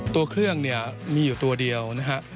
ตัวเครื่องมีอยู่ตัวเดียวนะครับ